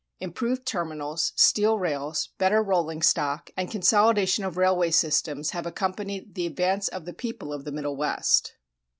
Improved terminals, steel rails, better rolling stock, and consolidation of railway systems have accompanied the advance of the people of the Middle West.